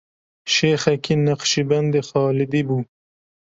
Şêxekî Neqşîbendî Xalidî bû.